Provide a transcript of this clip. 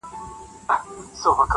زه ټپه یم د ملالي چي زړېږم لا پخېږم,